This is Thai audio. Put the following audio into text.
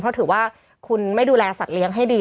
เพราะถือว่าคุณไม่ดูแลสัตว์เลี้ยงให้ดี